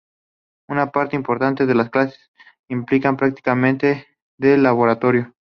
Una parte importante de las clases implican prácticas de laboratorio.